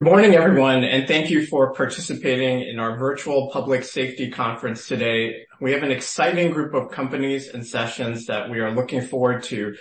Morning, everyone, and thank you for participating in our virtual public safety conference today. We have an exciting group of companies and sessions that we are looking forward to.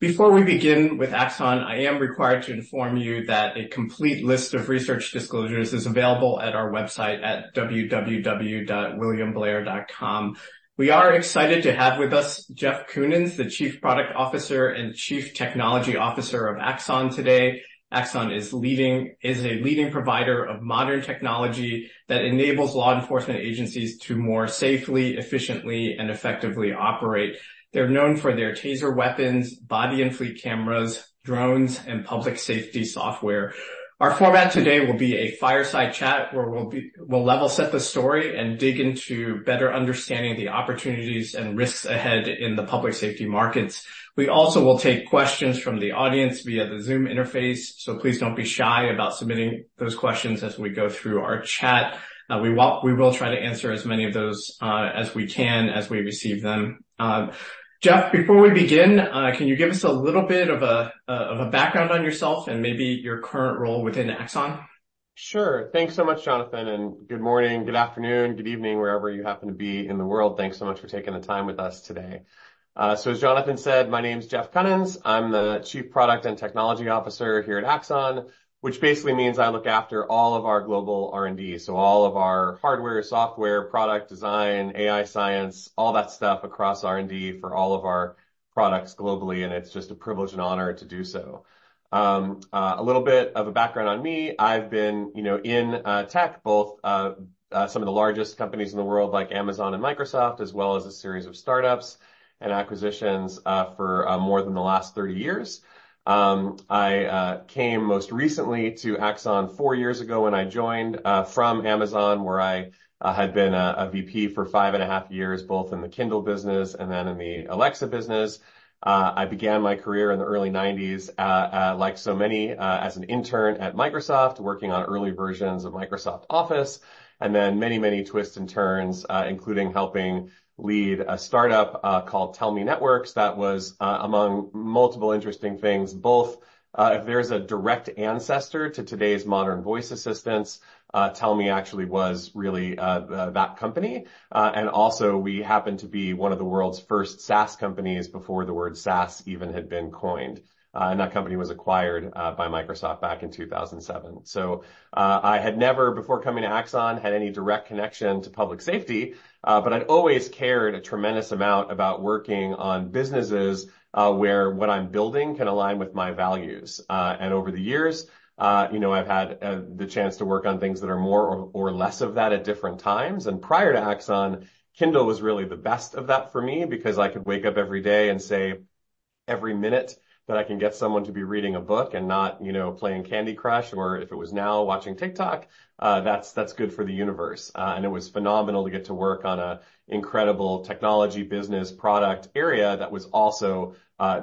Before we begin with Axon, I am required to inform you that a complete list of research disclosures is available at our website at www.williamblair.com. We are excited to have with us Jeff Kunins, the Chief Product Officer and Chief Technology Officer of Axon today. Axon is a leading provider of modern technology that enables law enforcement agencies to more safely, efficiently, and effectively operate. They're known for their Taser weapons, body and fleet cameras, drones, and public safety software. Our format today will be a fireside chat, where we'll level set the story and dig into better understanding the opportunities and risks ahead in the public safety markets. We also will take questions from the audience via the Zoom interface, so please don't be shy about submitting those questions as we go through our chat. We will try to answer as many of those as we can as we receive them. Jeff, before we begin, can you give us a little bit of a background on yourself and maybe your current role within Axon? Sure. Thanks so much, Jonathan, and good morning, good afternoon, good evening, wherever you happen to be in the world. Thanks so much for taking the time with us today. As Jonathan said, my name is Jeff Kunins. I'm the Chief Product and Technology Officer here at Axon, which basically means I look after all of our global R&D. So all of our hardware, software, product design, AI science, all that stuff across R&D for all of our products globally, and it's just a privilege and honor to do so. A little bit of a background on me. I've been, you know, in tech, both some of the largest companies in the world, like Amazon and Microsoft, as well as a series of startups and acquisitions, for more than the last 30 years. I came most recently to Axon 4 years ago when I joined from Amazon, where I had been a Vice President for 5.5 years, both in the Kindle business and then in the Alexa business. I began my career in the early 1990s, like so many, as an intern at Microsoft, working on early versions of Microsoft Office, and then many, many twists and turns, including helping lead a startup called Tellme Networks. That was, among multiple interesting things, both... if there's a direct ancestor to today's modern voice assistants, Tellme actually was really that company. We happened to be one of the world's first SaaS Companies before the word SaaS even had been coined, and that company was acquired by Microsoft back in 2007. So, I had never, before coming to Axon, had any direct connection to public safety, but I'd always cared a tremendous amount about working on businesses, where what I'm building can align with my values. And over the years, you know, I've had the chance to work on things that are more or, or less of that at different times. And prior to Axon, Kindle was really the best of that for me because I could wake up every day and say, "Every minute that I can get someone to be reading a book and not, you know, playing Candy Crush, or if it was now watching TikTok, that's good for the universe." And it was phenomenal to get to work on an incredible technology business product area that was also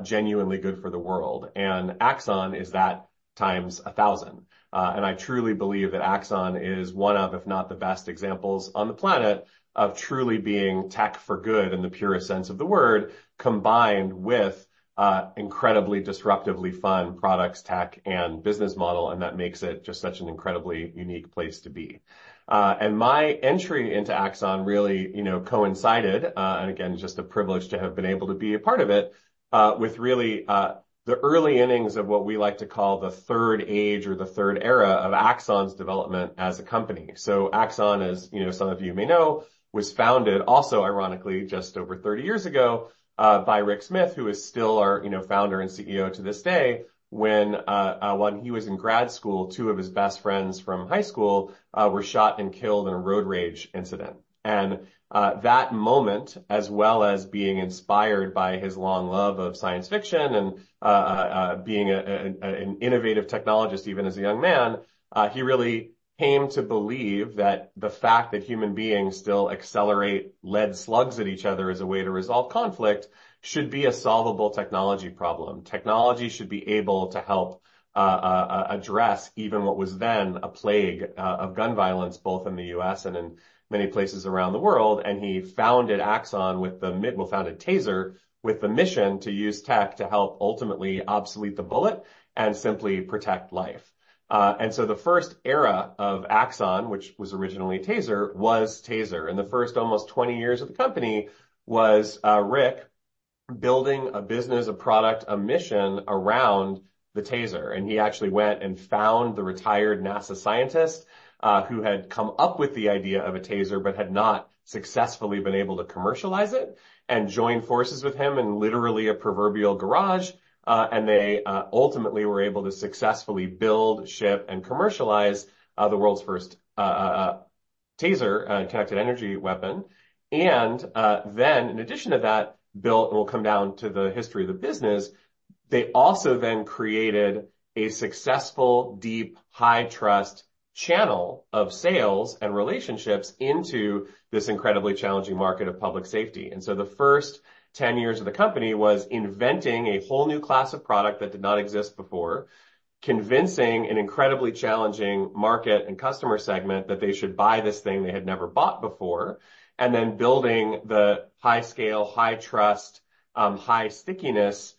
genuinely good for the world. And Axon is that times a thousand. And I truly believe that Axon is one of, if not the best, examples on the planet of truly being tech for good in the purest sense of the word, combined with incredibly disruptively fun products, tech, and business model, and that makes it just such an incredibly unique place to be. My entry into Axon really, you know, coincided, and again, just a privilege to have been able to be a part of it, with really, the early innings of what we like to call the third age or the third era of Axon's development as a company. Axon, as you know, some of you may know, was founded also, ironically, just over 30 years ago, by Rick Smith, who is still our, you know, founder and CEO to this day. When he was in grad school, 2 of his best friends from high school were shot and killed in a road rage incident. That moment, as well as being inspired by his long love of science fiction and being an innovative technologist, even as a young man, he really came to believe that the fact that human beings still accelerate lead slugs at each other as a way to resolve conflict should be a solvable technology problem. Technology should be able to help address even what was then a plague of gun violence, both in the U.S. and in many places around the world. Well, he founded Taser with the mission to use tech to help ultimately obsolete the bullet and simply protect life. And so the first era of Axon, which was originally Taser, was Taser. The first almost 20 years of the company was, Rick building a business, a product, a mission around the TASER, and he actually went and found the retired NASA scientist, who had come up with the idea of a TASER but had not successfully been able to commercialize it, and joined forces with him in literally a proverbial garage. And they ultimately were able to successfully build, ship, and commercialize, the world's first TASER connected energy weapon. Then in addition to that built, and we'll come down to the history of the business, they also then created a successful, deep, high-trust channel of sales and relationships into this incredibly challenging market of public safety. The first 10 years of the company was inventing a whole new class of product that did not exist before, convincing an incredibly challenging market and customer segment that they should buy this thing they had never bought before, and then building the high scale, high trust, high stickiness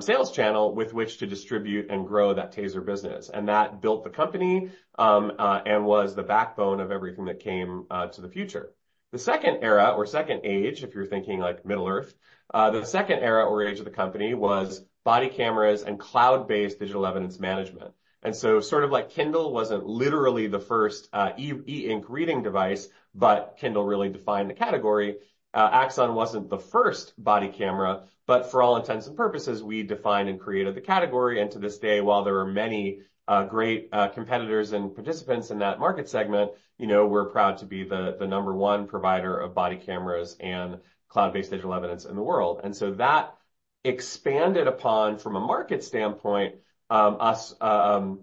sales channel with which to distribute and grow that Taser business. That built the company, and was the backbone of everything that came to the future. The second era or second age, if you're thinking like Middle-earth, the second era or age of the company was body cameras and cloud-based digital evidence management. Sort of like Kindle wasn't literally the first e-ink reading device, but Kindle really defined the category. Axon wasn't the first body camera, but for all intents and purposes, we defined and created the category. And to this day, while there are many great competitors and participants in that market segment, you know, we're proud to be the number one provider of body cameras and cloud-based digital evidence in the world. That expanded upon, from a market standpoint, us from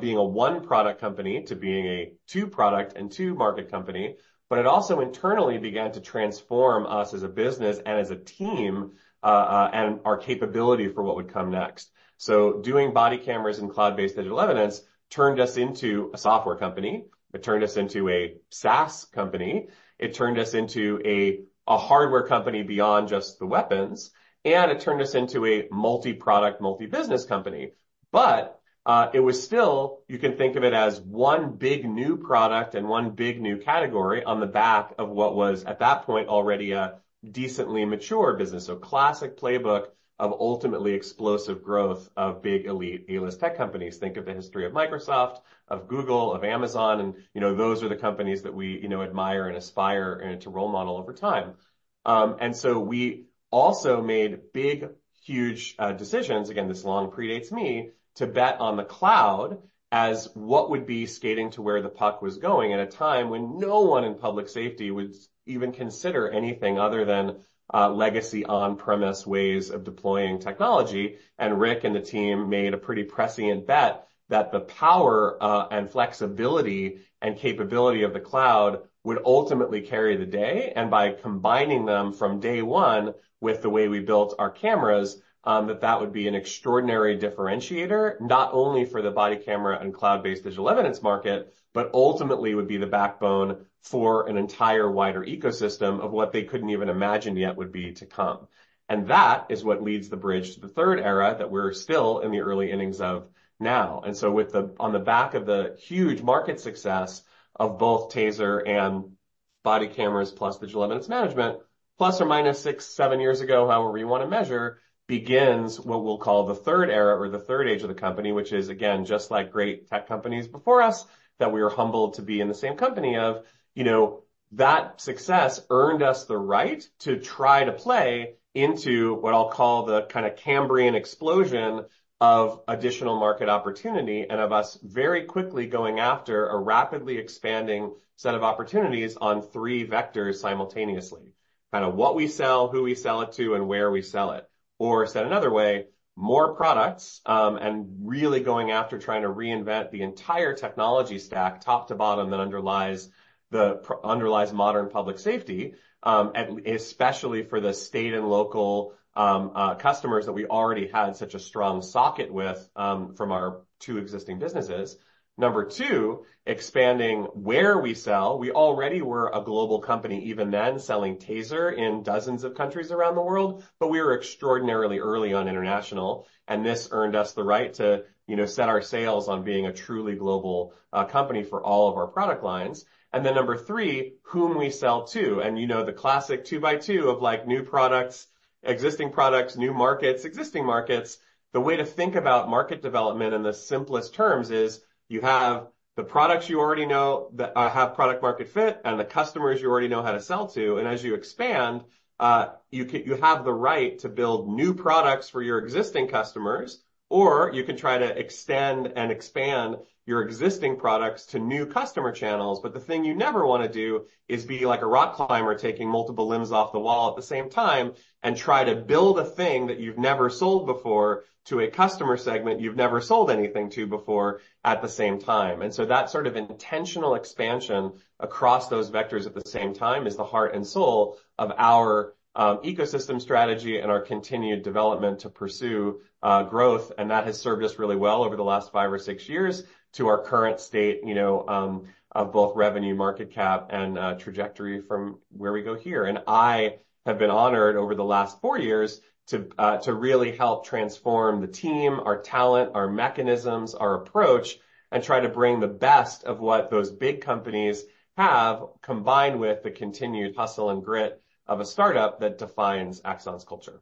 being a one-product company to being a two product and two market company. It also internally began to transform us as a business and as a team and our capability for what would come next. Doing body cameras and cloud-based digital evidence turned us into a software company. It turned us into a SaaS company. It turned us into a hardware company beyond just the weapons, and it turned us into a multi-product, multi-business company. it was still... You can think of it as one big new product and one big new category on the back of what was, at that point, already a decently mature business. Classic playbook of ultimately explosive growth of big, elite, A-list tech companies. Think of the history of Microsoft, of Google, of Amazon, and, you know, those are the companies that we, you know, admire and aspire and to role model over time. We also made big, huge decisions, again, this long predates me, to bet on the cloud as what would be skating to where the puck was going at a time when no one in public safety would even consider anything other than legacy on-premise ways of deploying technology. Rick and the team made a pretty prescient bet that the power and flexibility and capability of the cloud would ultimately carry the day, and by combining them from day one with the way we built our cameras, that would be an extraordinary differentiator, not only for the body camera and cloud-based digital evidence market, but ultimately would be the backbone for an entire wider ecosystem of what they couldn't even imagine yet would be to come. That is what leads the bridge to the third era, that we're still in the early innings of now. And so with the, on the back of the huge market success of both TASER and body cameras, plus digital evidence management, plus or minus 6-7 years ago, however you want to measure, begins what we'll call the third era or the third age of the company, which is, again, just like great tech companies before us, that we are humbled to be in the same company of. You know, that success earned us the right to try to play into what I'll call the kind of Cambrian explosion of additional market opportunity, and of us very quickly going after a rapidly expanding set of opportunities on 3 vectors simultaneously. Kind of what we sell, who we sell it to, and where we sell it. Or said another way, more products, and really going after trying to reinvent the entire technology stack, top to bottom, that underlies modern public safety, especially for the state and local customers that we already had such a strong socket with, from our two existing businesses. Number 2, expanding where we sell. We already were a global company, even then, selling TASER in dozens of countries around the world, but we were extraordinarily early on international, and this earned us the right to, you know, set our sails on being a truly global company for all of our product lines. Then number 3, whom we sell to. You know, the classic 2 by 2 of, like, new products, existing products, new markets, existing markets. The way to think about market development in the simplest terms is you have the products you already know that have product market fit and the customers you already know how to sell to. As you expand, you have the right to build new products for your existing customers, or you can try to extend and expand your existing products to new customer channels. But the thing you never want to do is be like a rock climber, taking multiple limbs off the wall at the same time and try to build a thing that you've never sold before to a customer segment you've never sold anything to before, at the same time. So that sort of intentional expansion across those vectors at the same time is the heart and soul of our ecosystem strategy and our continued development to pursue growth. That has served us really well over the last five or six years to our current state, you know, of both revenue, market cap, and trajectory from where we go here. I have been honored over the last four years to really help transform the team, our talent, our mechanisms, our approach, and try to bring the best of what those big companies have, combined with the continued hustle and grit of a startup that defines Axon's culture.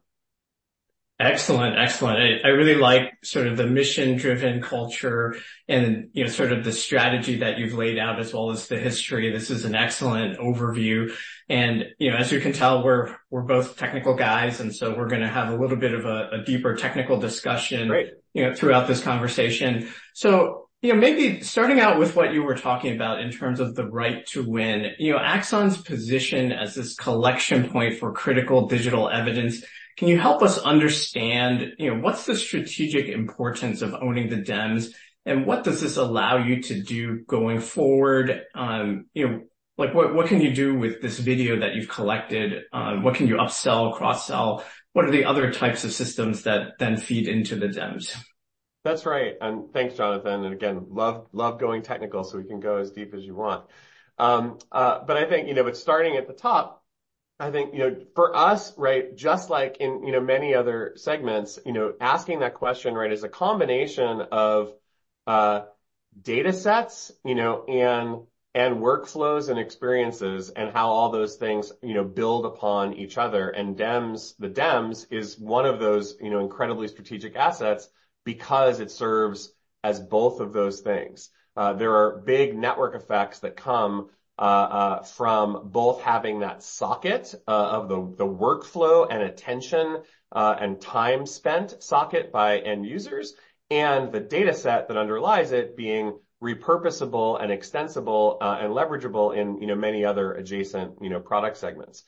Excellent, excellent. I really like sort of the mission-driven culture and, you know, sort of the strategy that you've laid out as well as the history. This is an excellent overview, and, you know, as you can tell, we're both technical guys, and so we're gonna have a little bit of a deeper technical discussion- Great. You know, throughout this conversation. You know, maybe starting out with what you were talking about in terms of the right to win. You know, Axon's position as this collection point for critical digital evidence, can you help us understand, you know, what's the strategic importance of owning the DEMS, and what does this allow you to do going forward? You know, like, what, what can you do with this video that you've collected? What can you upsell, cross-sell? What are the other types of systems that then feed into the DEMS? That's right, and thanks, Jonathan. Again, love, love going technical, so we can go as deep as you want. I think, you know, with starting at the top, I think, you know, for us, right, just like in, you know, many other segments, you know, asking that question, right, is a combination of data sets, you know, and, and workflows and experiences and how all those things, you know, build upon each other. DEMS, the DEMS is one of those, you know, incredibly strategic assets because it serves as both of those things. There are big network effects that come from both having that socket of the workflow and attention and time spent socket by end users, and the dataset that underlies it being repurposable and extensible and leverageable in, you know, many other adjacent, you know, product segments.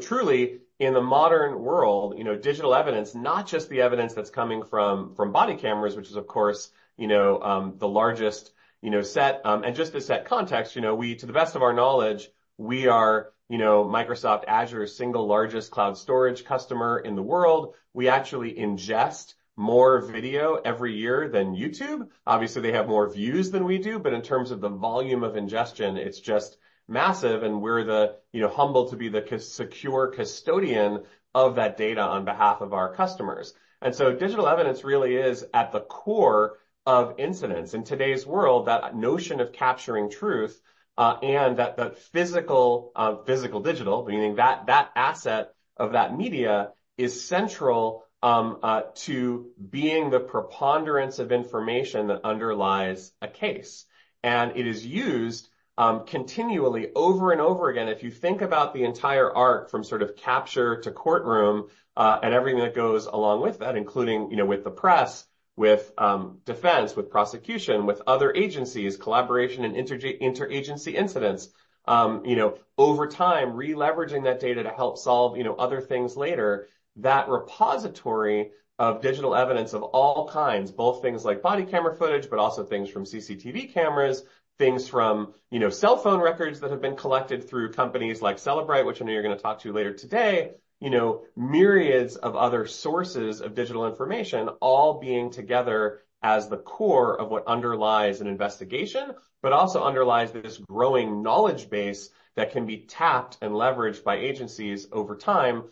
Truly, in the modern world, you know, digital evidence, not just the evidence that's coming from body cameras, which is, of course, you know, the largest, you know, set. Just to set context, you know, we to the best of our knowledge, we are, you know, Microsoft Azure's single largest cloud storage customer in the world. We actually ingest more video every year than YouTube. Obviously, they have more views than we do, but in terms of the volume of ingestion, it's just massive, and we're the, you know, humbled to be the secure custodian of that data on behalf of our customers. Digital evidence really is at the core of incidents. In today's world, that notion of capturing truth and that physical digital, meaning that asset of that media is central to being the preponderance of information that underlies a case. And it is used continually over and over again. If you think about the entire arc from sort of capture to courtroom, and everything that goes along with that, including, you know, with the press, with, defense, with prosecution, with other agencies, collaboration and interagency incidents, you know, over time, re-leveraging that data to help solve, you know, other things later. That repository of digital evidence of all kinds, both things like body camera footage, but also things from CCTV cameras, things from, you know, cell phone records that have been collected through companies like Cellebrite, which I know you're going to talk to later today. You know, myriads of other sources of digital information all being together as the core of what underlies an investigation, but also underlies this growing knowledge base that can be tapped and leveraged by agencies over time,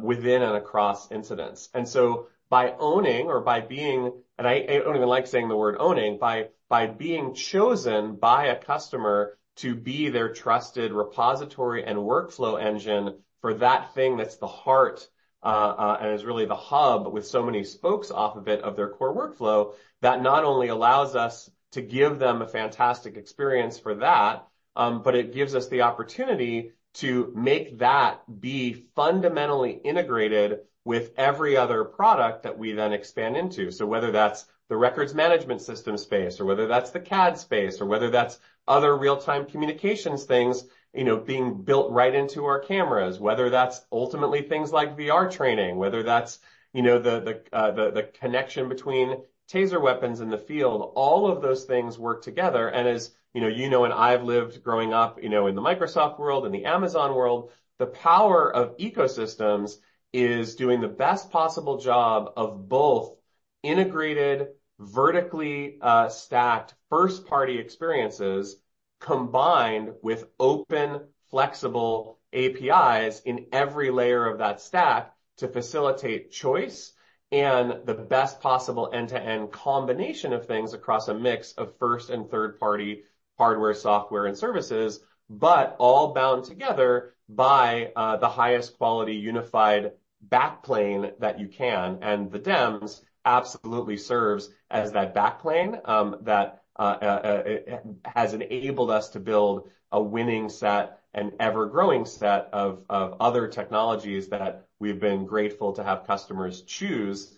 within and across incidents. I don't even like saying the word owning, by being chosen by a customer to be their trusted repository and workflow engine for that thing that's the heart, and is really the hub with so many spokes off of it, of their core workflow, that not only allows us to give them a fantastic experience for that, but it gives us the opportunity to make that be fundamentally integrated with every other product that we then expand into. Whether that's the records management system space, or whether that's the CAD space, or whether that's other real-time communications things, you know, being built right into our cameras, whether that's ultimately things like VR training, whether that's, you know, the connection between TASER weapons in the field, all of those things work together. As you know, and I've lived growing up, you know, in the Microsoft world and the Amazon world, the power of ecosystems is doing the best possible job of both integrated, vertically stacked first-party experiences, combined with open, flexible APIs in every layer of that stack to facilitate choice and the best possible end-to-end combination of things across a mix of first and third-party hardware, software, and services, but all bound together by the highest quality, unified backplane that you can. The DEMS absolutely serves as that backplane, that it has enabled us to build a winning set and ever-growing set of other technologies that we've been grateful to have customers choose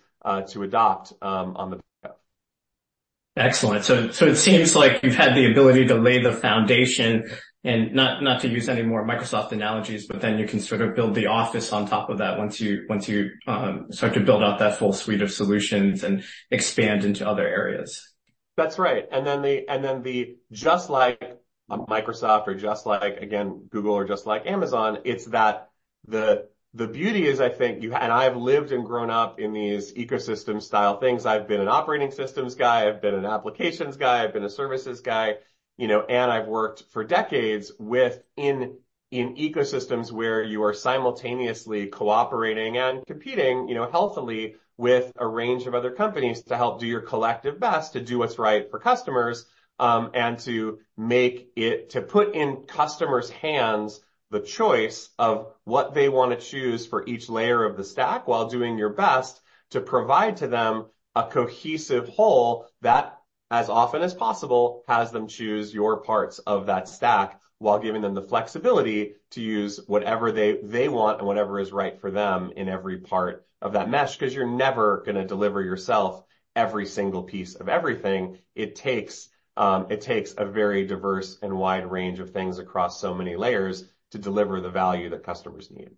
to adopt on the back. Excellent. it seems like you've had the ability to lay the foundation and not to use any more Microsoft analogies, but then you can sort of build the office on top of that once you start to build out that full suite of solutions and expand into other areas. That's right. Then just like Microsoft or just like, again, Google or just like Amazon, it's that the, the beauty is, I think, you and I have lived and grown up in these ecosystem-style things. I've been an operating systems guy, I've been an applications guy, I've been a services guy, you know, and I've worked for decades within ecosystems where you are simultaneously cooperating and competing, you know, healthily with a range of other companies to help do your collective best, to do what's right for customers, and to make it, to put in customers' hands the choice of what they want to choose for each layer of the stack, while doing your best to provide to them a cohesive whole that, as often as possible, has them choose your parts of that stack, while giving them the flexibility to use whatever they want and whatever is right for them in every part of that mesh. Because you're never gonna deliver yourself every single piece of everything. It takes a very diverse and wide range of things across so many layers to deliver the value that customers need.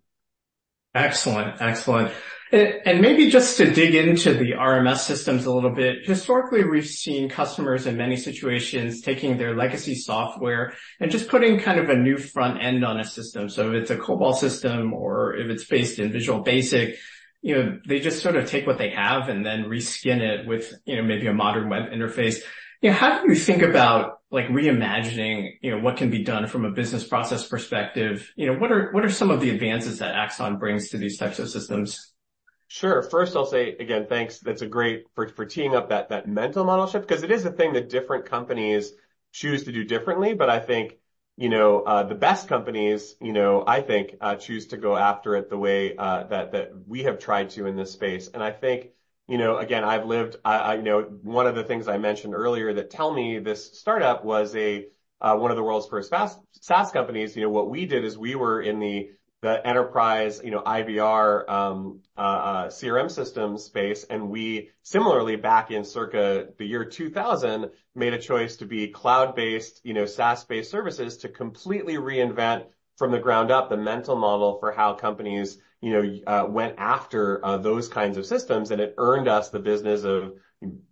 Excellent, excellent. Maybe just to dig into the RMS systems a little bit. Historically, we've seen customers in many situations taking their legacy software and just putting kind of a new front end on a system. So if it's a COBOL system or if it's based in Visual Basic, you know, they just sort of take what they have and then re-skin it with, you know, maybe a modern web interface. You know, how do you think about, like, reimagining, you know, what can be done from a business process perspective? You know, what are some of the advances that Axon brings to these types of systems? Sure. First, I'll say again, thanks. That's great for teeing up that mental model shift, because it is a thing that different companies choose to do differently. I think, you know, the best companies, you know, I think, choose to go after it the way that we have tried to in this space. I think, you know, again, I've lived... you know, one of the things I mentioned earlier that Tellme, this startup, was one of the world's first SaaS companies. You know, what we did is we were in the enterprise, you know, IVR, CRM system space, and we similarly, back in circa the year 2000, made a choice to be cloud-based, you know, SaaS-based services to completely reinvent from the ground up the mental model for how companies, you know, went after those kinds of systems. It earned us the business of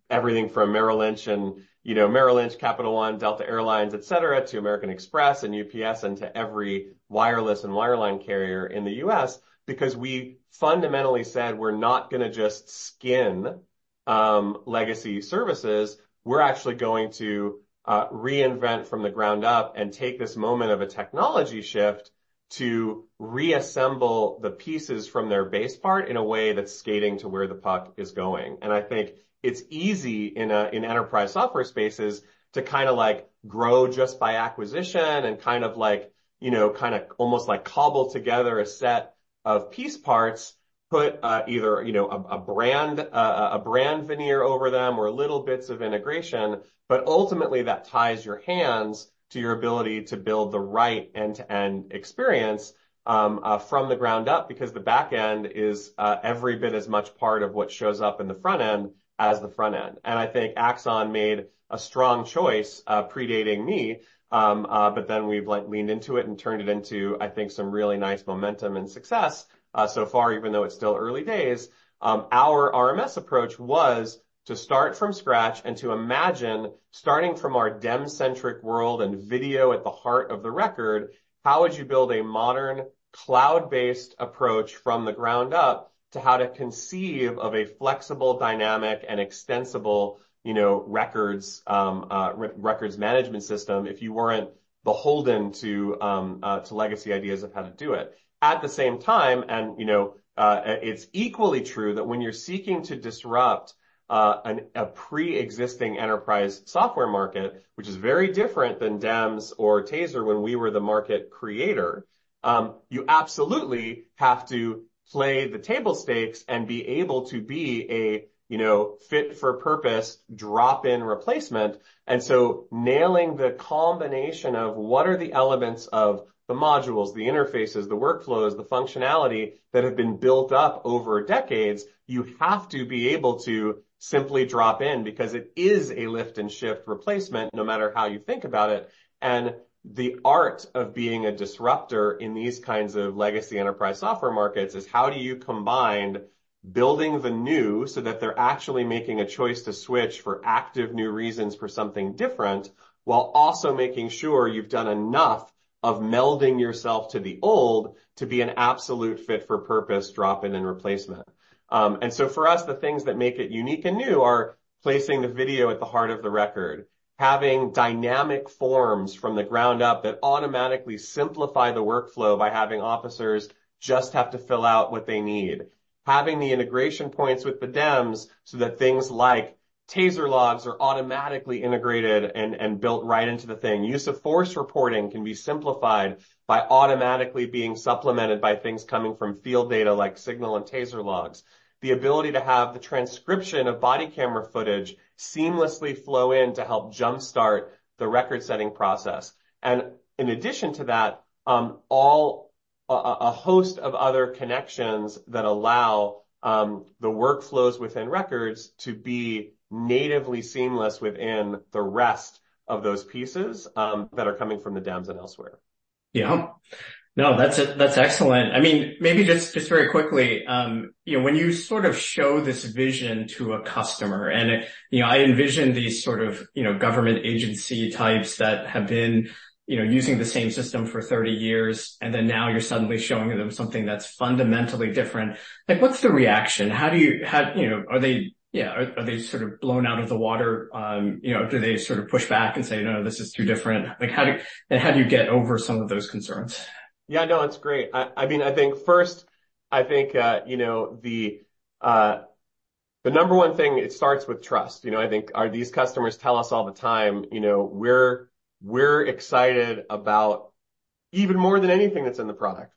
everything from Merrill Lynch and, you know, Merrill Lynch, Capital One, Delta Air Lines, et cetera, to American Express and UPS, and to every wireless and wireline carrier in the U.S. Because we fundamentally said, we're not gonna just skin legacy services, we're actually going to reinvent from the ground up and take this moment of a technology shift to reassemble the pieces from their base part in a way that's skating to where the puck is going. I think it's easy in enterprise software spaces to kind of like grow just by acquisition and kind of like, you know, kind of almost like cobble together a set of piece parts, put either, you know, a brand veneer over them or little bits of integration. Ultimately, that ties your hands to your ability to build the right end-to-end experience from the ground up, because the back end is every bit as much part of what shows up in the front end as the front end. I think Axon made a strong choice predating me, but then we've like leaned into it and turned it into, I think, some really nice momentum and success so far, even though it's still early days. Our RMS approach was to start from scratch and to imagine, starting from our DEMS-centric world and video at the heart of the record, how would you build a modern, cloud-based approach from the ground up to how to conceive of a flexible, dynamic, and extensible, you know, records management system if you weren't beholden to, to legacy ideas of how to do it? At the same time, and, you know, it's equally true that when you're seeking to disrupt a preexisting enterprise software market, which is very different than DEMS or TASER, when we were the market creator, you absolutely have to play the table stakes and be able to be a, you know, fit-for-purpose, drop-in replacement. Nailing the combination of what are the elements of the modules, the interfaces, the workflows, the functionality that have been built up over decades, you have to be able to simply drop in because it is a lift-and-shift replacement, no matter how you think about it. The art of being a disruptor in these kinds of legacy enterprise software markets is how do you combine building the new so that they're actually making a choice to switch for active, new reasons for something different, while also making sure you've done enough of melding yourself to the old to be an absolute fit for purpose, drop-in and replacement. And for us, the things that make it unique and new are placing the video at the heart of the record, having dynamic forms from the ground up that automatically simplify the workflow by having officers just have to fill out what they need. Having the integration points with the DEMS so that things like TASER logs are automatically integrated and built right into the thing. Use of force reporting can be simplified by automatically being supplemented by things coming from field data like signal and TASER logs. The ability to have the transcription of body camera footage seamlessly flow in to help jumpstart the record-setting process. And in addition to that, a host of other connections that allow the workflows within records to be natively seamless within the rest of those pieces that are coming from the DEMS and elsewhere. Yeah. No, that's excellent. I mean, maybe just very quickly, you know, when you sort of show this vision to a customer and it... You know, I envision these sort of, you know, government agency types that have been, you know, using the same system for 30 years, and then now you're suddenly showing them something that's fundamentally different. Like, what's the reaction? How do you—How, you know, are they... Yeah, are they sort of blown out of the water? You know, do they sort of push back and say, "No, this is too different?" Like, how do—and how do you get over some of those concerns? Yeah, no, it's great. I mean, I think first, you know, the number one thing, it starts with trust. You know, I think these customers tell us all the time, you know, we're excited about even more than anything that's in the product.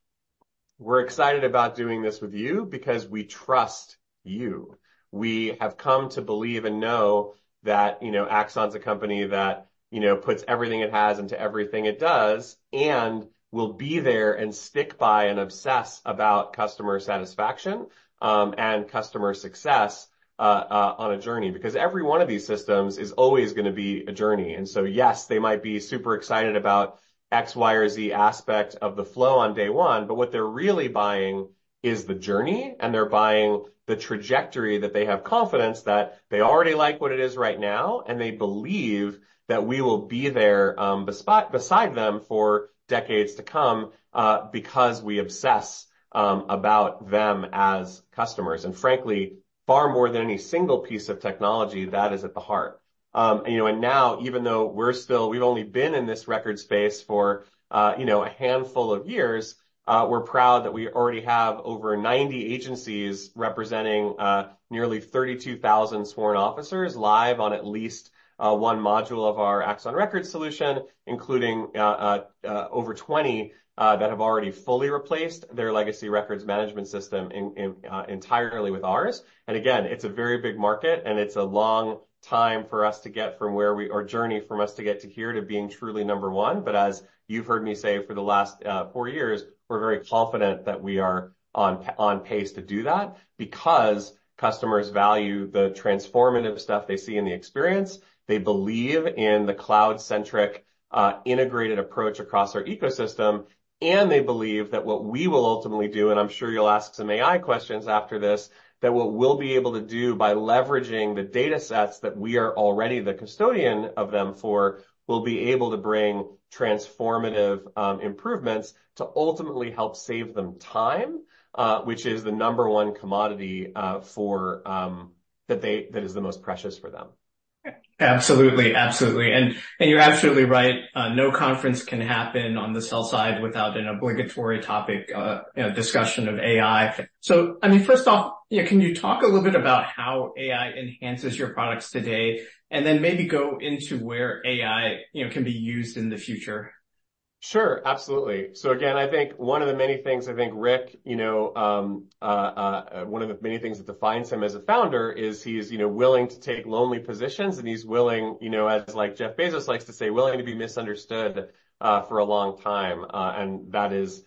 We're excited about doing this with you because we trust you. We have come to believe and know that, you know, Axon's a company that, you know, puts everything it has into everything it does, and will be there and stick by and obsess about customer satisfaction, and customer success, on a journey. Because every one of these systems is always gonna be a journey. And, yes, they might be super excited about X, Y, or Z aspect of the flow on day one, but what they're really buying is the journey, and they're buying the trajectory that they have confidence that they already like what it is right now, and they believe that we will be there, beside them for decades to come, because we obsess about them as customers. And frankly, far more than any single piece of technology, that is at the heart. You know, and now, even though we're still-- we've only been in this record space for, you know, a handful of years, we're proud that we already have over 90 agencies representing nearly 32,000 sworn officers live on at least one module of our Axon Record solution, including over 20 that have already fully replaced their legacy records management system entirely with ours. Again, it's a very big market, and it's a long time for us to get from where we-- or journey from us to get to here to being truly number one. As you've heard me say for the last four years, we're very confident that we are on pace to do that because customers value the transformative stuff they see in the experience, they believe in the cloud-centric integrated approach across our ecosystem, and they believe that what we will ultimately do, and I'm sure you'll ask some AI questions after this, that what we'll be able to do by leveraging the datasets that we are already the custodian of them for, we'll be able to bring transformative improvements to ultimately help save them time, which is the number one commodity for that is the most precious for them. Absolutely. Absolutely. And, you're absolutely right, no conference can happen on the sell side without an obligatory topic, you know, discussion of AI. mean, first off, yeah, can you talk a little bit about how AI enhances your products today, and then maybe go into where AI, you know, can be used in the future? Sure. Absolutely. Again, I think one of the many things I think Rick, you know, one of the many things that defines him as a founder is he's, you know, willing to take lonely positions, and he's willing, you know, as like Jeff Bezos likes to say, "Willing to be misunderstood," for a long time. That is,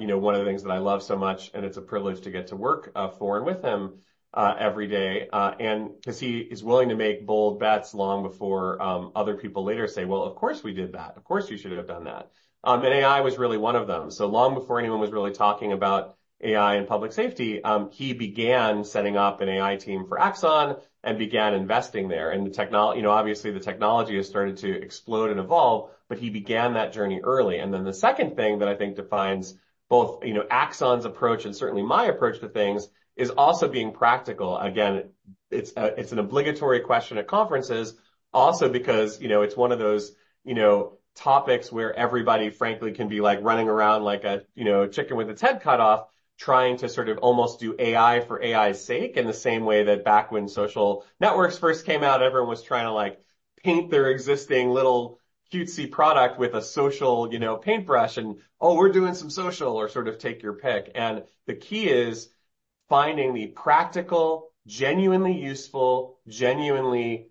you know, one of the things that I love so much, and it's a privilege to get to work, for and with him, every day, and... 'cause he is willing to make bold bets long before, other people later say, "Well, of course, we did that. Of course, we should have done that." And AI was really one of them. Long before anyone was really talking about AI and Public Safety, he began setting up an AI team for Axon and began investing there. And you know, obviously, the technology has started to explode and evolve, but he began that journey early. And then the second thing that I think defines both, you know, Axon's approach, and certainly my approach to things, is also being practical. Again, it's an obligatory question at conferences also because, you know, it's one of those, you know, topics where everybody, frankly, can be, like, running around like a, you know, a chicken with its head cut off, trying to sort of almost do AI for AI's sake. In the same way that back when social networks first came out, everyone was trying to, like, paint their existing little cutesy product with a social, you know, paintbrush, and, "Oh, we're doing some social," or sort of take your pick. And the key is finding the practical, genuinely useful, genuinely,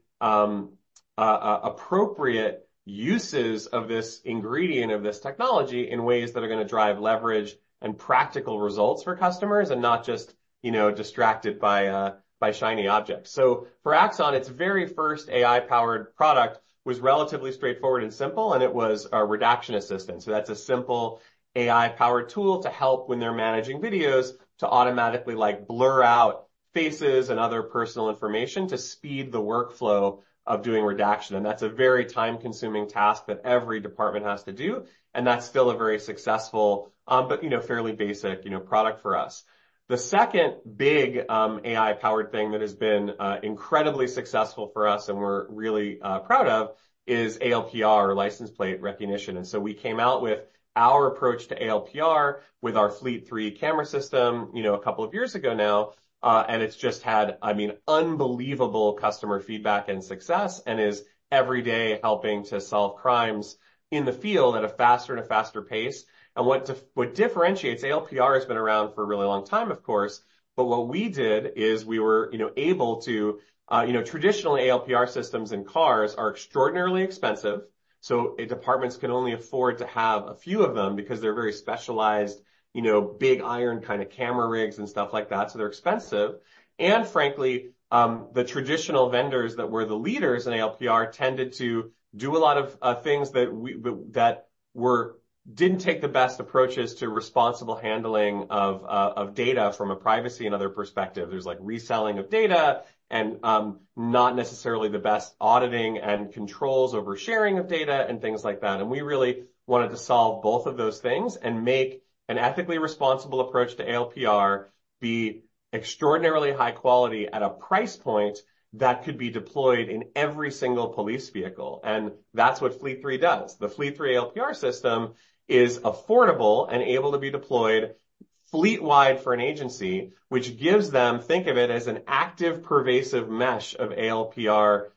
appropriate uses of this ingredient, of this technology, in ways that are gonna drive leverage and practical results for customers, and not just, you know, distracted by, by shiny objects. For Axon, its very first AI-powered product was relatively straightforward and simple, and it was a redaction assistant. That's a simple AI-powered tool to help when they're managing videos to automatically, like, blur out faces and other personal information to speed the workflow of doing redaction, and that's a very time-consuming task that every department has to do, and that's still a very successful, but, you know, fairly basic, you know, product for us. The second big AI-powered thing that has been incredibly successful for us and we're really proud of is ALPR, License Plate Recognition. We came out with our approach to ALPR with our Fleet Three camera system, you know, a couple of years ago now, and it's just had, I mean, unbelievable customer feedback and success, and is every day helping to solve crimes in the field at a faster and a faster pace. And what differentiates... ALPR has been around for a really long time, of course, but what we did is we were, you know, able to, you know, traditional ALPR systems in cars are extraordinarily expensive, so departments can only afford to have a few of them because they're very specialized, you know, big iron kind of camera rigs and stuff like that, so they're expensive. And frankly, the traditional vendors that were the leaders in ALPR tended to do a lot of things that didn't take the best approaches to responsible handling of of data from a privacy and other perspective. There's, like, reselling of data and, not necessarily the best auditing and controls over sharing of data and things like that. We really wanted to solve both of those things and make an ethically responsible approach to ALPR be extraordinarily high quality at a price point that could be deployed in every single police vehicle, and that's what Fleet Three does. The Fleet Three ALPR system is affordable and able to be deployed fleet wide for an agency, which gives them, think of it as an active, pervasive mesh of ALPR,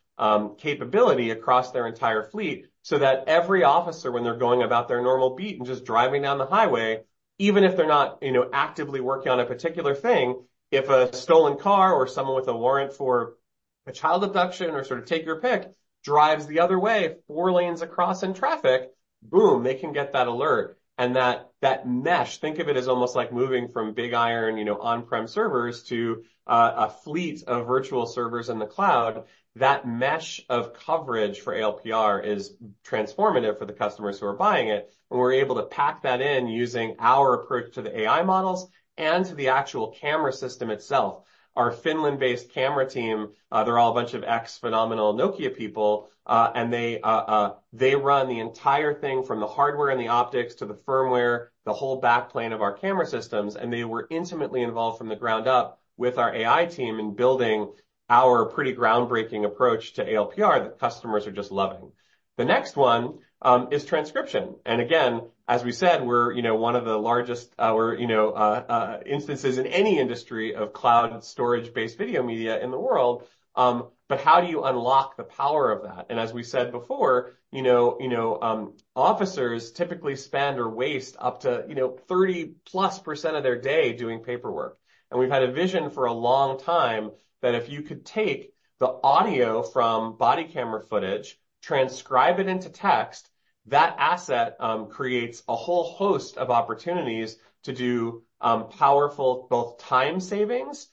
capability across their entire fleet, so that every officer, when they're going about their normal beat and just driving down the highway, even if they're not, you know, actively working on a particular thing, if a stolen car or someone with a warrant for a child abduction or sort of take your pick, drives the other way, four lanes across in traffic, boom! They can get that alert. And mesh, think of it as almost like moving from big iron, you know, on-prem servers to a fleet of virtual servers in the cloud. That mesh of coverage for ALPR is transformative for the customers who are buying it, and we're able to pack that in using our approach to the AI models and to the actual camera system itself. Our Finland-based camera team, they're all a bunch of ex-phenomenal Nokia people, and they run the entire thing from the hardware and the optics to the firmware, the whole back plane of our camera systems, and they were intimately involved from the ground up with our AI team in building our pretty groundbreaking approach to ALPR that customers are just loving. The next one is transcription, and again, as we said, we're, you know, one of the largest instances in any industry of cloud storage-based video media in the world. How do you unlock the power of that? And as we said before, you know, you know, officers typically spend or waste up to, you know, 30% of their day doing paperwork. And we've had a vision for a long time that if you could take the audio from body camera footage, transcribe it into text, that asset creates a whole host of opportunities to do powerful, both time savings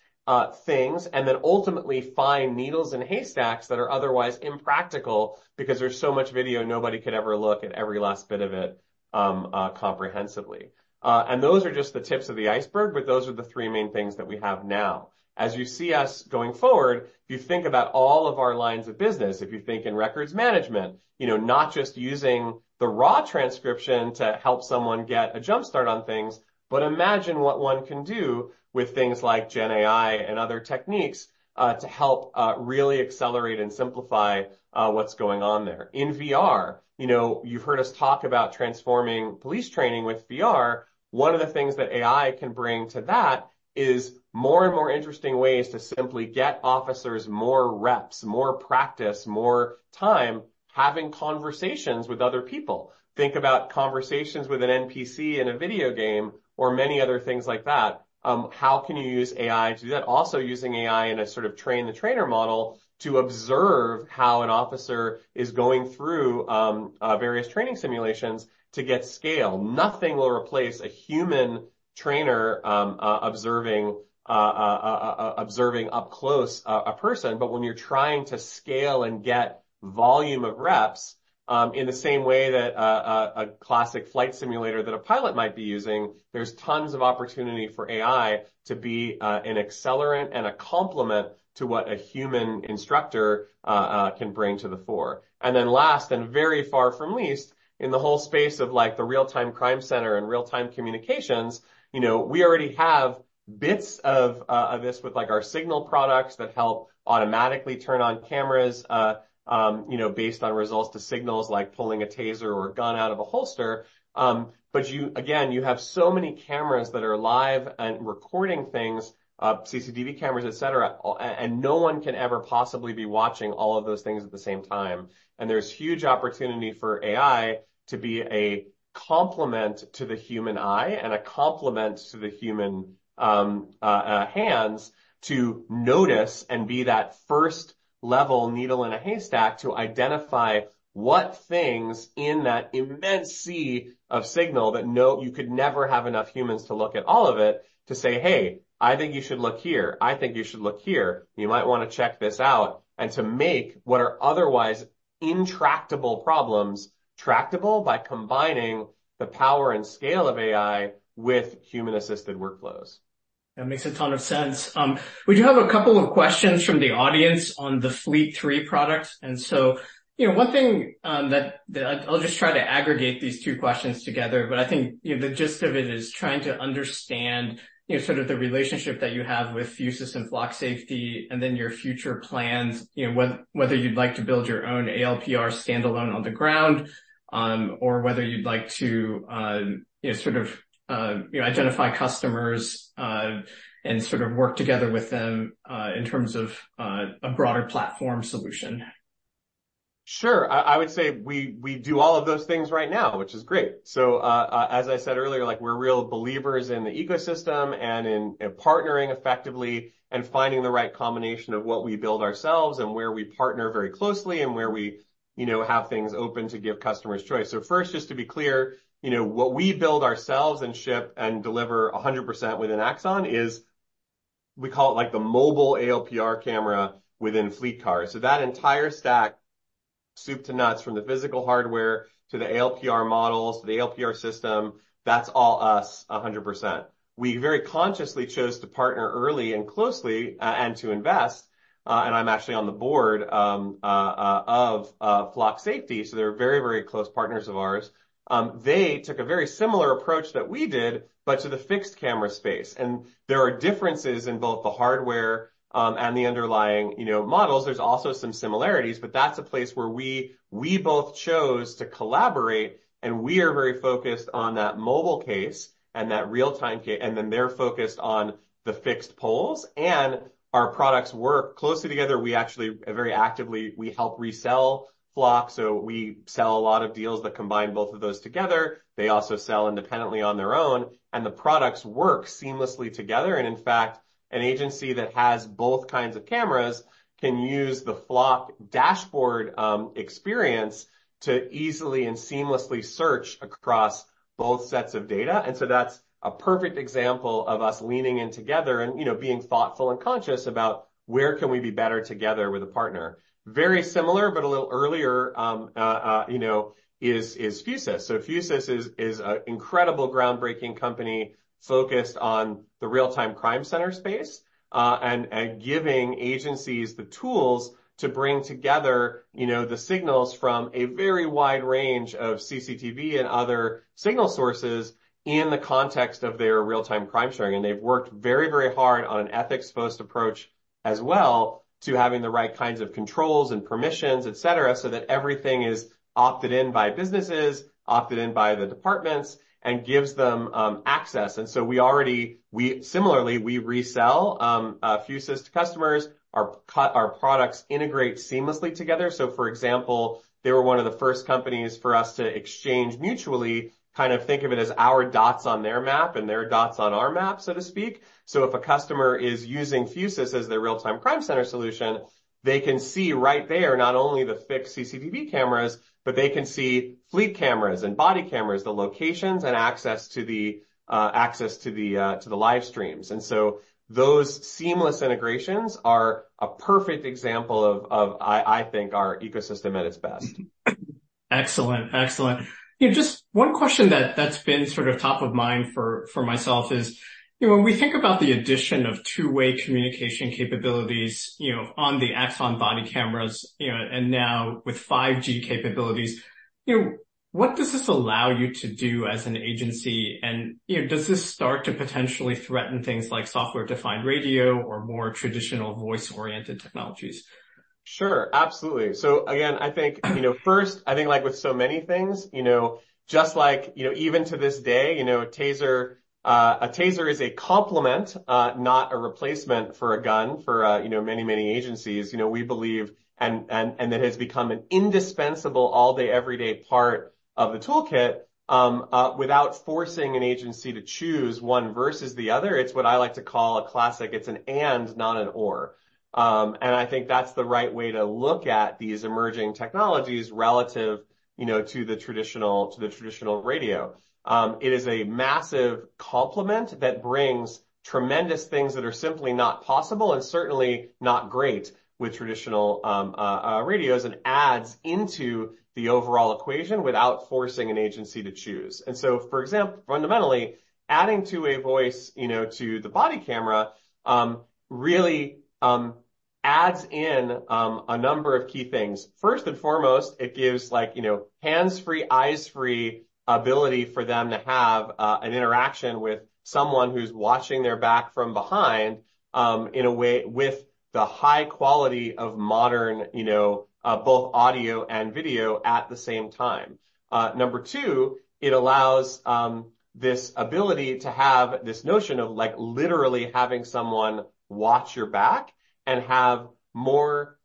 things, and then ultimately find needles in haystacks that are otherwise impractical because there's so much video nobody could ever look at every last bit of it comprehensively. Those are just the tips of the iceberg, but those are the three main things that we have now. As you see us going forward, if you think about all of our lines of business, if you think in records management, you know, not just using the raw transcription to help someone get a jump start on things, but imagine what one can do with things like GenAI and other techniques, to help, really accelerate and simplify, what's going on there. In VR, you know, you've heard us talk about transforming police training with VR. One of the things that AI can bring to that is more and more interesting ways to simply get officers more reps, more practice, more time, having conversations with other people. Think about conversations with an NPC in a video game or many other things like that. How can you use AI to do that? Also using AI in a sort of train-the-trainer model to observe how an officer is going through various training simulations to get scale. Nothing will replace a human trainer observing up close a person, but when you're trying to scale and get volume of reps, in the same way that a classic flight simulator that a pilot might be using, there's tons of opportunity for AI to be an accelerant and a complement to what a human instructor can bring to the fore. Then last, and very far from least, in the whole space of, like, the real-time crime center and real-time communications, you know, we already have bits of this with, like, our Signal products that help automatically turn on cameras, you know, based on response to signals, like pulling a TASER or a gun out of a holster. You, again, have so many cameras that are live and recording things, CCTV cameras, et cetera, and no one can ever possibly be watching all of those things at the same time. There's huge opportunity for AI to be a complement to the human eye and a complement to the human hands to notice and be that first-level needle in a haystack to identify what things in that immense sea of signal that you could never have enough humans to look at all of it, to say, "Hey, I think you should look here. I think you should look here. You might wanna check this out." To make what are otherwise intractable problems tractable by combining the power and scale of AI with human-assisted workflows. That makes a ton of sense. We do have a couple of questions from the audience on the Fleet 3 products, and so, you know, one thing, I'll just try to aggregate these two questions together, but I think, you know, the gist of it is trying to understand, you know, sort of the relationship that you have with Fusus and Flock Safety, and then your future plans. You know, whether you'd like to build your own ALPR standalone on the ground, or whether you'd like to, you know, sort of, you know, identify customers, and sort of work together with them, in terms of, a broader platform solution. Sure. I, I would say we, we do all of those things right now, which is great. As I said earlier, like, we're real believers in the ecosystem and in, in partnering effectively and finding the right combination of what we build ourselves and where we partner very closely, and where we, you know, have things open to give customers choice. First, just to be clear, you know, what we build ourselves and ship and deliver 100% within Axon is we call it, like, the mobile ALPR camera within fleet cars. So that entire stack, soup to nuts, from the physical hardware to the ALPR models, to the ALPR system, that's all us, 100%. We very consciously chose to partner early and closely, and to invest, and I'm actually on the board of Flock Safety, so they're very, very close partners of ours. They took a very similar approach that we did, but to the fixed camera space. There are differences in both the hardware and the underlying, you know, models. There's also some similarities, but that's a place where we, we both chose to collaborate, and we are very focused on that mobile case and that real-time and then they're focused on the fixed poles, and our products work closely together. We actually, very actively, we help resell Flock, so we sell a lot of deals that combine both of those together. They also sell independently on their own, and the products work seamlessly together. In fact, an agency that has both kinds of cameras can use the Flock dashboard experience to easily and seamlessly search across both sets of data. That's a perfect example of us leaning in together and, you know, being thoughtful and conscious about where can we be better together with a partner? Very similar, but a little earlier, you know, is Fusus. Fusus is a incredible, groundbreaking company focused on the real-time crime center space, and giving agencies the tools to bring together, you know, the signals from a very wide range of CCTV and other signal sources in the context of their real-time crime sharing. They've worked very, very hard on an ethics-first approach as well, to having the right kinds of controls and permissions, et cetera, so that everything is opted in by businesses, opted in by the departments, and gives them access. We already similarly resell Fusus to customers. Our products integrate seamlessly together. So, for example, they were one of the first companies for us to exchange mutually, kind of think of it as our dots on their map and their dots on our map, so to speak. If a customer is using Fusus as their real-time crime center solution, they can see right there not only the fixed CCTV cameras, but they can see fleet cameras and body cameras, the locations and access to the live streams. Those seamless integrations are a perfect example of, I think, our ecosystem at its best. Excellent, excellent. You know, just one question that, that's been sort of top of mind for, for myself is: you know, when we think about the addition of two-way communication capabilities, you know, on the Axon Body cameras, you know, and now with 5G capabilities, you know, what does this allow you to do as an agency? And, you know, does this start to potentially threaten things like software-defined radio or more traditional voice-oriented technologies? Sure, absolutely. Again, I think, you know, first, I think like with so many things, you know, just like, you know, even to this day, you know, Taser, a Taser is a complement, not a replacement for a gun for, you know, many, many agencies. You know, we believe and, and, and it has become an indispensable all-day, every day part of the toolkit, without forcing an agency to choose one versus the other. It's what I like to call a classic. It's an and, not an or. And I think that's the right way to look at these emerging technologies relative, you know, to the traditional, to the traditional radio. It is a massive complement that brings tremendous things that are simply not possible, and certainly not great with traditional radios, and adds into the overall equation without forcing an agency to choose. For example, fundamentally adding to a voice, you know, to the body camera really adds in a number of key things. First and foremost, it gives like, you know, hands-free, eyes-free ability for them to have an interaction with someone who's watching their back from behind in a way with the high quality of modern, you know, both audio and video at the same time. Number two, it allows this ability to have this notion of, like, literally having someone watch your back and have more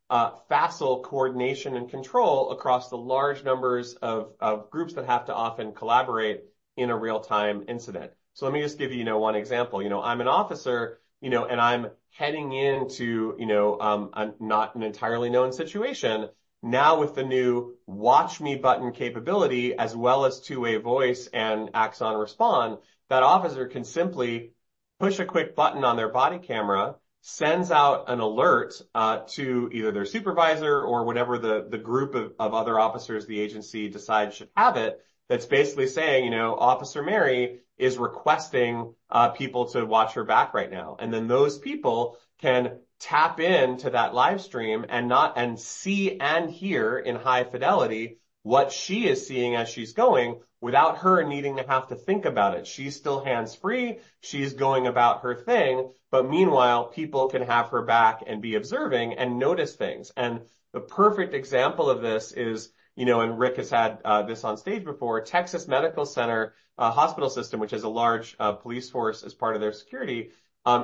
facile coordination and control across the large numbers of groups that have to often collaborate in a real-time incident. Let me just give you, you know, one example. You know, I'm an officer, you know, and I'm heading into, you know, a not an entirely known situation. Now, with the new Watch Me button capability, as well as two-way voice and Axon Respond, that officer can simply push a quick button on their body camera, sends out an alert to either their supervisor or whatever the group of other officers the agency decides should have it. That's basically saying, "You know, Officer Mary is requesting people to watch her back right now." Then those people can tap into that live stream and see and hear in high fidelity what she is seeing as she's going, without her needing to have to think about it. She's still hands-free. She's going about her thing, but meanwhile, people can have her back and be observing and notice things. And the perfect example of this is, you know, and Rick has had this on stage before, Texas Medical Center Hospital System, which has a large police force as part of their security,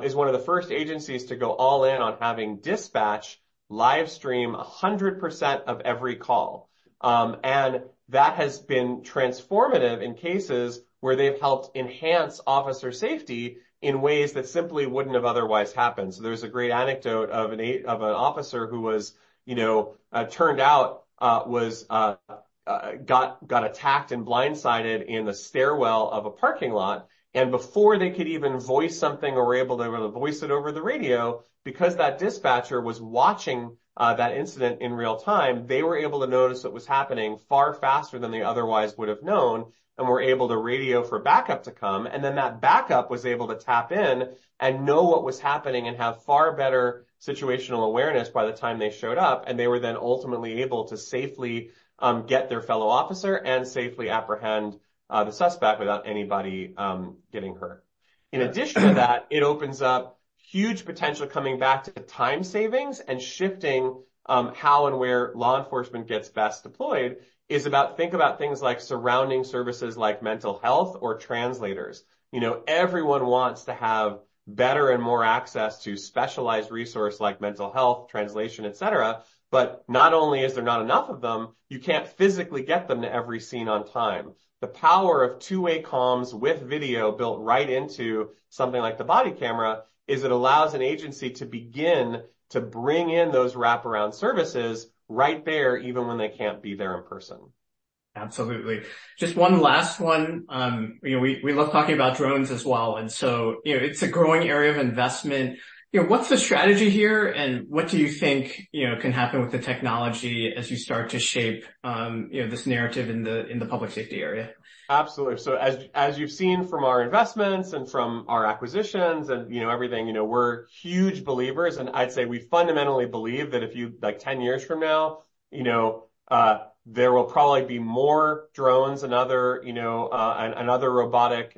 is one of the first agencies to go all in on having dispatch live stream 100% of every call. That has been transformative in cases where they've helped enhance officer safety in ways that simply wouldn't have otherwise happened. So there's a great anecdote of an officer who was, you know, turned out, was, got attacked and blindsided in the stairwell of a parking lot, and before they could even voice something or were able to voice it over the radio, because that dispatcher was watching that incident in real time, they were able to notice what was happening far faster than they otherwise would have known, and were able to radio for backup to come. Then that backup was able to tap in and know what was happening and have far better situational awareness by the time they showed up, and they were then ultimately able to safely get their fellow officer and safely apprehend the suspect without anybody getting hurt... In addition to that, it opens up huge potential coming back to time savings and shifting how and where law enforcement gets best deployed is about think about things like surrounding services like mental health or translators. You know, everyone wants to have better and more access to specialized resource like mental health, translation, et cetera, but not only is there not enough of them, you can't physically get them to every scene on time. The power of two-way comms with video built right into something like the body camera is. It allows an agency to begin to bring in those wraparound services right there, even when they can't be there in person. Absolutely. Just one last one. You know, we love talking about drones as well, and so, you know, it's a growing area of investment. You know, what's the strategy here, and what do you think, you know, can happen with the technology as you start to shape, you know, this narrative in the public safety area? Absolutely. As you've seen from our investments and from our acquisitions and, you know, everything, you know, we're huge believers, and I'd say we fundamentally believe that if you—like, 10 years from now, you know, there will probably be more drones and other, you know, and other robotic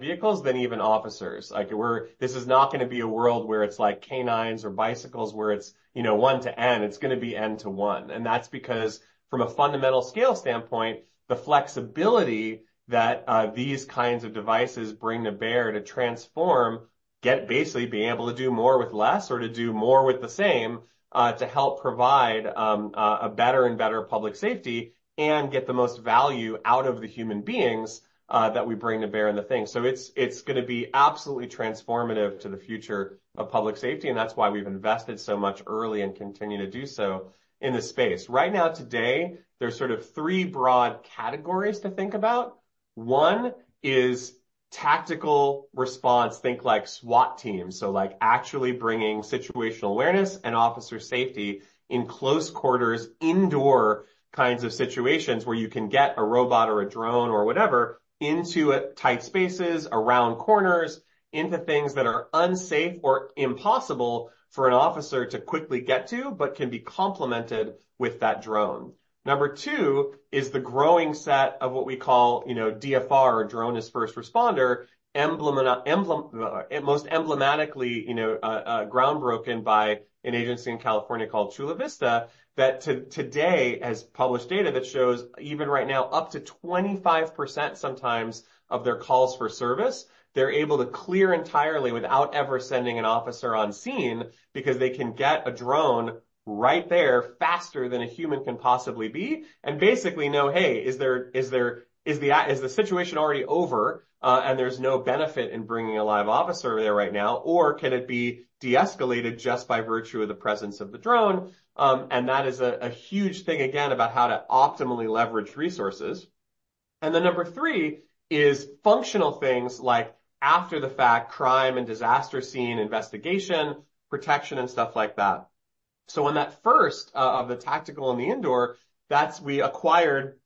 vehicles than even officers. Like, we're—this is not gonna be a world where it's like canines or bicycles, where it's, you know, one to n, it's gonna be n to one. That's because from a fundamental scale standpoint, the flexibility that these kinds of devices bring to bear to transform, basically being able to do more with less or to do more with the same, to help provide a better and better public safety and get the most value out of the human beings that we bring to bear in the thing. So it's gonna be absolutely transformative to the future of public safety, and that's why we've invested so much early and continue to do so in this space. Right now, today, there's sort of three broad categories to think about. One is tactical response. Think like SWAT teams, so, like, actually bringing situational awareness and officer safety in close quarters, indoor kinds of situations where you can get a robot or a drone or whatever into tight spaces, around corners, into things that are unsafe or impossible for an officer to quickly get to but can be complemented with that drone. Number two is the growing set of what we call, you know, DFR or Drone as First Responder, emblematic, most emblematically, you know, ground broken by an agency in California called Chula Vista, that today has published data that shows even right now, up to 25% sometimes of their calls for service, they're able to clear entirely without ever sending an officer on scene, because they can get a drone right there faster than a human can possibly be, and basically know, hey, is there... is the situation already over, and there's no benefit in bringing a live officer there right now, or can it be de-escalated just by virtue of the presence of the drone? That is a huge thing, again, about how to optimally leverage resources. Then number three is functional things like after the fact, crime and disaster scene investigation, protection, and stuff like that. So on that first, of the tactical and the indoor, that's we acquired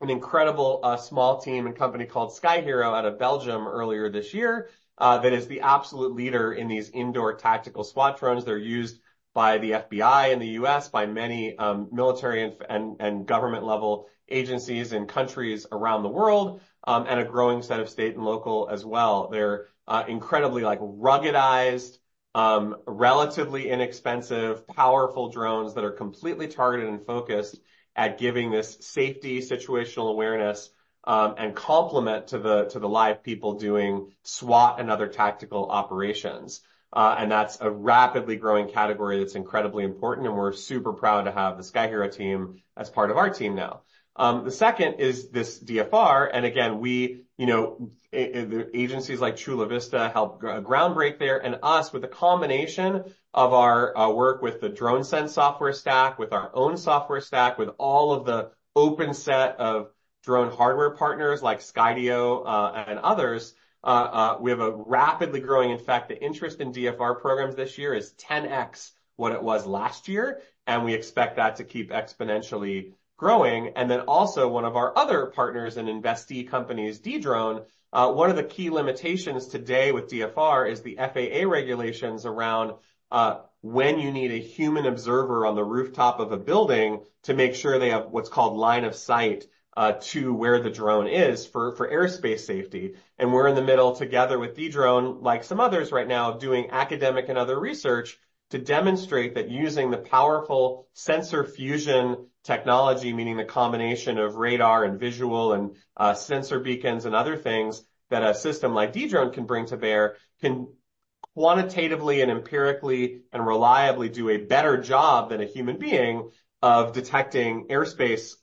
an incredible, small team and company called Sky-Hero out of Belgium earlier this year, that is the absolute leader in these indoor tactical SWAT drones. They're used by the FBI in the U.S., by many, military and government-level agencies and countries around the world, and a growing set of state and local as well. They're incredibly, like, ruggedized, relatively inexpensive, powerful drones that are completely targeted and focused at giving this safety, situational awareness, and complement to the, to the live people doing SWAT and other tactical operations. That's a rapidly growing category that's incredibly important, and we're super proud to have the Sky-Hero team as part of our team now. The second is this DFR, and again, we, you know, the agencies like Chula Vista, help ground break there, and us, with a combination of our work with the DroneSense software stack, with our own software stack, with all of the open set of drone hardware partners like Skydio, and others, we have a rapidly growing... In fact, the interest in DFR programs this year is 10x what it was last year, and we expect that to keep exponentially growing. And one of our other partners and investee companies, Dedrone. One of the key limitations today with DFR is the FAA regulations around when you need a human observer on the rooftop of a building to make sure they have what's called line of sight to where the drone is for airspace safety. We're in the middle, together with D-Drone, like some others right now, doing academic and other research to demonstrate that using the powerful sensor fusion technology, meaning the combination of radar and visual and sensor beacons and other things, that a system like D-Drone can bring to bear, can quantitatively and empirically and reliably do a better job than a human being of detecting airspace,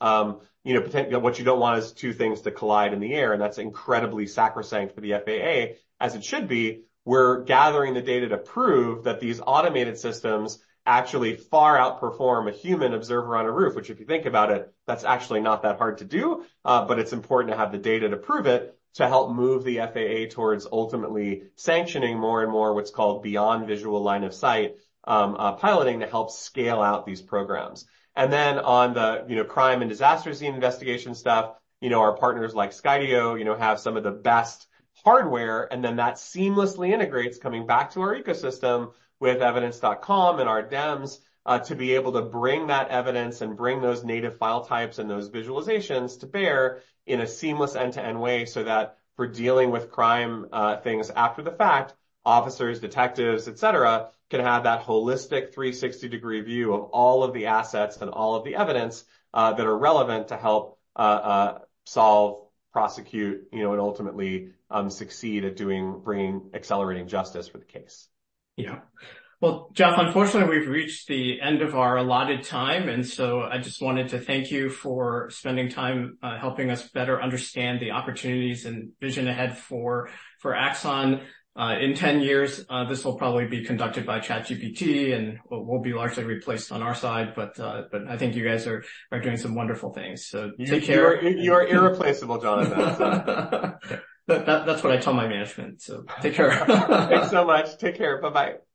you know, what you don't want is two things to collide in the air, and that's incredibly sacrosanct for the FAA, as it should be. We're gathering the data to prove that these automated systems actually far outperform a human observer on a roof, which, if you think about it, that's actually not that hard to do, but it's important to have the data to prove it, to help move the FAA towards ultimately sanctioning more and more what's called Beyond Visual Line of Sight piloting, to help scale out these programs. Then on the, you know, crime and disaster scene investigation stuff, you know, our partners like Skydio, you know, have some of the best hardware, and then that seamlessly integrates coming back to our ecosystem with Evidence.com and our DEMS, to be able to bring that evidence and bring those native file types and those visualizations to bear in a seamless end-to-end way, so that for dealing with crime, things after the fact, officers, detectives, et cetera, can have that holistic 360-degree view of all of the assets and all of the evidence, that are relevant to help solve, prosecute, you know, and ultimately succeed at doing, bringing... accelerating justice for the case. Yeah. Well, Jeff, unfortunately, we've reached the end of our allotted time, and so I just wanted to thank you for spending time helping us better understand the opportunities and vision ahead for, for Axon. In 10 years, this will probably be conducted by ChatGPT, and we'll, we'll be largely replaced on our side, but, but I think you guys are, are doing some wonderful things. So take care. You are irreplaceable, Jonathan. That's what I tell my management, so take care. Thanks so much. Take care. Bye-bye. Thank you.